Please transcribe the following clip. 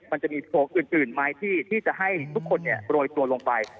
มันจะมีโพลอื่นไหมที่จะให้ทุกคนโรยตัวลงไป